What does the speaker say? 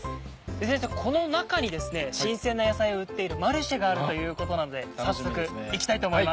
先生この中にですね新鮮な野菜を売っているマルシェがあるということなので早速行きたいと思います。